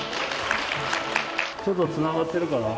ちょっとつながってるかな？